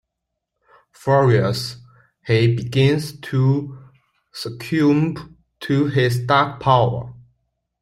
Furious, he begins to succumb to his dark power.